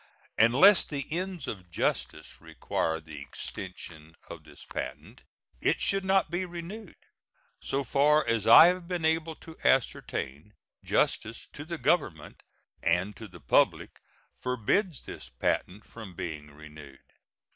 Unless the ends of justice require the extension of this patent, it should not be renewed. So far as I have been able to ascertain, justice to the Government and to the public forbids this patent from being renewed.